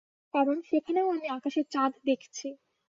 কারণ, সেখানেও আমি আকাশে চাঁদ দেখছি।